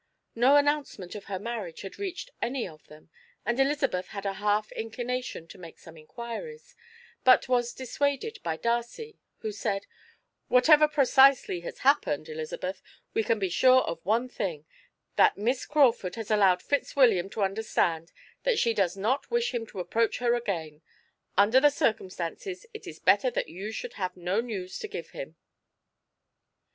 No announcement of her marriage had reached any of them, and Elizabeth had a half inclination to make some inquiries, but was dissuaded by Darcy, who said: "Whatever precisely has happened, Elizabeth, we can be sure of one thing, that Miss Crawford has allowed Fitzwilliam to understand that she does not wish him to approach her again. Under these circumstances it is better that you should have no news to give him."